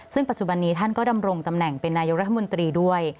ซึ่งปัจจุบันนี้ท่านก็ดำรงตำแหน่งเป็นนายกรัฐมนตรีด้วย